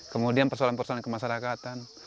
kemudian persoalan persoalan kemasyarakatan